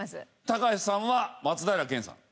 高橋さんは松平健さん。